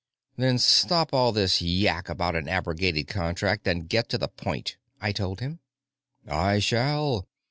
"Then stop all this yak about an abrogated contract and get to the point," I told him. "I shall.